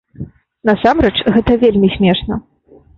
Насамрэч гэта вельмі смешна!